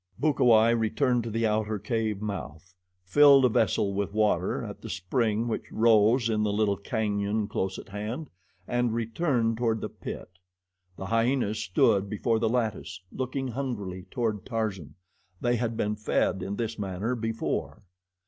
Bukawai returned to the outer cave mouth, filled a vessel with water at the spring which rose in the little canyon close at hand and returned toward the pit. The hyenas stood before the lattice looking hungrily toward Tarzan. They had been fed in this manner before.